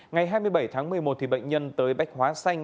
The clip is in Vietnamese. ngày hai mươi bảy tháng một mươi một bệnh nhân tới bách hóa xanh